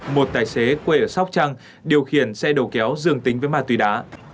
một tài xế quê ở sóc trăng điều khiển xe đầu kéo dường tính với ma túy đá